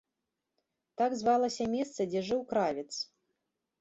Так звалася месца, дзе жыў кравец.